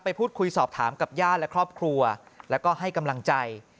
พูดคุยสอบถามกับญาติและครอบครัวแล้วก็ให้กำลังใจ